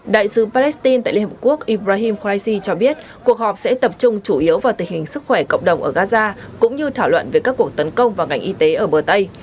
đại sứ palestine tại liên hợp quốc ibrahim khoai si cho biết cuộc họp sẽ tập trung chủ yếu vào tình hình sức khỏe cộng đồng ở gaza cũng như thảo luận về các cuộc tấn công vào ngành y tế ở bờ tây